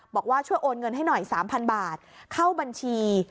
บอกว่าช่วยโอนเงินให้หน่อย๓๐๐บาทเข้าบัญชี